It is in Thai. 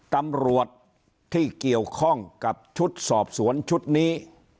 ตำรวจที่เกี่ยวข้องกับชุดสอบสวนชุดนี้